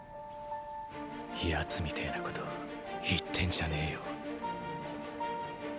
ヤツみてぇなこと言ってんじゃねぇよ。